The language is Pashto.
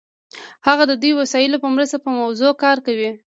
هغه د دې وسایلو په مرسته په موضوع کار کوي.